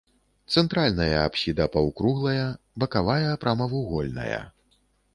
Цэнтральная апсіда паўкруглая, бакавая прамавугольная.